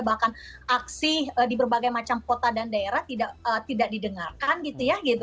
bahkan aksi di berbagai macam kota dan daerah tidak didengarkan gitu ya